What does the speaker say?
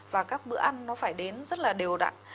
và các bữa ăn nó phải đến rất là đều đặn